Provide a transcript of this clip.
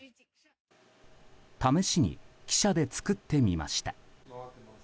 試しに記者で作ってみました。